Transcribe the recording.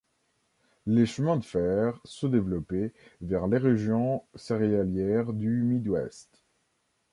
Les chemins de fer se développaient vers les régions céréalières du Midwest.